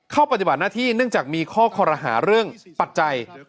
ปฏิบัติหน้าที่เนื่องจากมีข้อคอรหาเรื่องปัจจัย